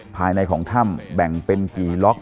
ภายในของถ้ำแบ่งเป็นกี่ล็อก